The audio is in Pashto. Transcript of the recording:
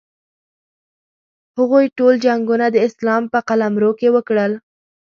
هغوی ټول جنګونه د اسلام په قلمرو کې وکړل.